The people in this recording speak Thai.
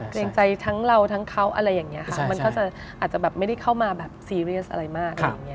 เกรงใจทั้งเราทั้งเขาอะไรอย่างนี้ค่ะมันก็จะอาจจะแบบไม่ได้เข้ามาแบบซีเรียสอะไรมากอะไรอย่างเงี้